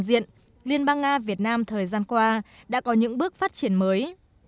đại diện liên bang nga việt nam thời gian qua đã có những bước phát triển mới